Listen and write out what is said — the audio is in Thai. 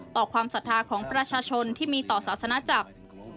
ความศรัทธาของประชาชนที่มีต่อศาสนาจักร